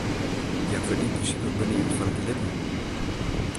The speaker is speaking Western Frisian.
Hja wurde yn prinsipe beneamd foar it libben.